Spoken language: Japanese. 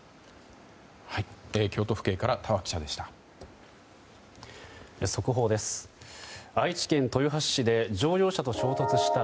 京都府警から峠記者でした。